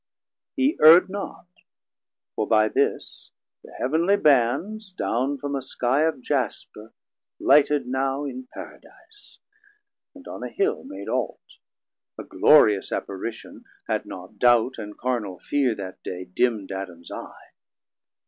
He err'd not, for by this the heav'nly Bands Down from a Skie of Jasper lighted now In Paradise, and on a Hill made alt, 210 A glorious Apparition, had not doubt And carnal fear that day dimm'd Adams eye.